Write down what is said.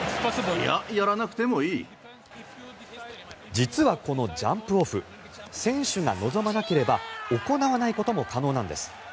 実はこのジャンプオフ選手が望まなければ行わないことも可能なんです。